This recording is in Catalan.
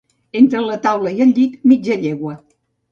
Entre la taula i el llit, mitja llegua.